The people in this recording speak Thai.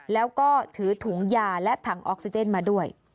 แล้วก็ถือถุงยาและถังออกซิเจนมาด้วย